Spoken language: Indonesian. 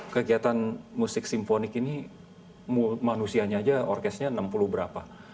kegiatan musik simfonik ini manusianya aja orkesnya enam puluh berapa